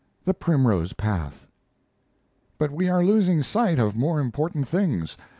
THE PRIMROSE PATH But we are losing sight of more important things.